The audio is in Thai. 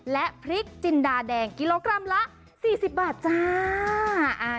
และพริกจินดาแดงกิโลกรัมละ๔๐บาทจ้า